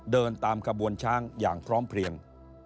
เดินตามขบวนช้างอย่างพร้อมเพลียง